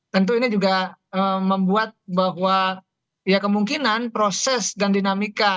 tentu ini juga membuat bahwa ya kemungkinan proses dan dinamika